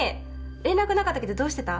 連絡なかったけどどうしてた？